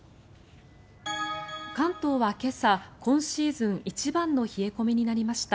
関東は今朝、今シーズン一番の冷え込みになりました。